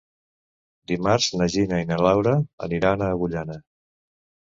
Dimarts na Gina i na Laura aniran a Agullana.